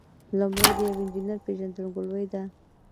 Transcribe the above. لومړی د یو انجینر پیژندګلوي ده.